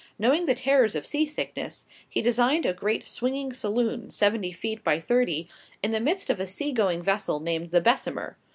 Knowing the terrors of sea sickness, he designed a great swinging saloon, seventy feet by thirty, in the midst of a sea going vessel named the "Bessemer."